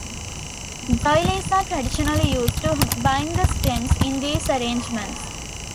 Doilies are traditionally used to bind the stems in these arrangements.